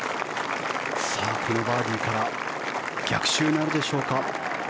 このバーディーから逆襲なるでしょうか。